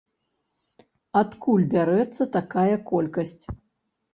Адкуль бярэцца такая колькасць?